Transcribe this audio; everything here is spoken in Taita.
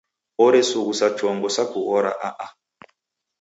Oresughusa chongo sa kughora a-a.